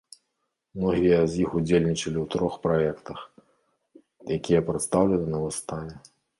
Многія з іх удзельнічалі ў трох праектах, якія прадстаўлены на выставе.